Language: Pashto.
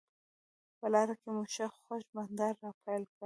په لاره کې مو ښه خوږ بانډار راپیل کړ.